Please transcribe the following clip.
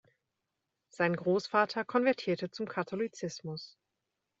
Sein Großvater konvertierte zum Katholizismus.